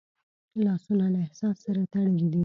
لاسونه له احساس سره تړلي دي